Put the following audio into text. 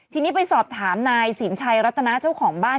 ทีนี้ไปสอบถามนายสินชัยรัตนาเจ้าของบ้าน